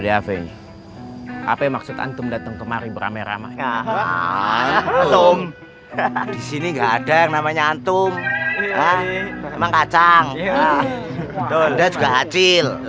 ada apa apa maksud antum datang kemari beramai ramai